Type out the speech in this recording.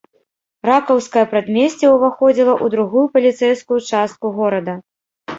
Ракаўскае прадмесце ўваходзіла ў другую паліцэйскую частку горада.